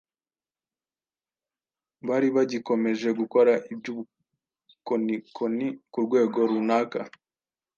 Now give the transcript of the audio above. Bari bagikomeje gukora iby’ubukonikoni ku rwego runaka.